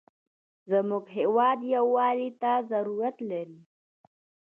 زموږ هېواد یوالي ته ضرورت لري.